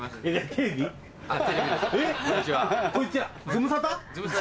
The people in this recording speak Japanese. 『ズムサタ』